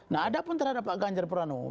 nah ada pun terhadap pak ganjar pranowo